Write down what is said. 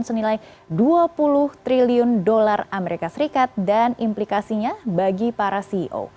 senilai dua puluh triliun dolar amerika serikat dan implikasinya bagi para ceo